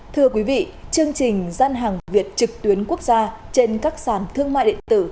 thưa quý vị chương trình gian hàng việt trực tuyến quốc gia trên các sàn thương mại điện tử